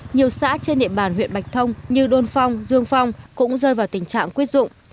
nhiều xã trên địa bàn huyện bạch thông như đôn phong dương phong cũng rơi vào tình trạng quyết dụng